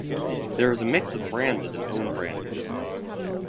There is a mix of branded and own brand goods.